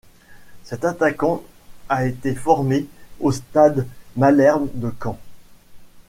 Cet attaquant a été formé au Stade Malherbe de Caen.